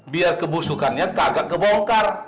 biar kebusukannya kagak kebongkar